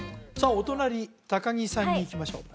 お隣高城さんにいきましょう